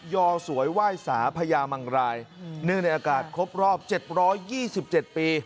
อสวยไหว้สาพญามังรายเนื่องในอากาศครบรอบ๗๒๗ปี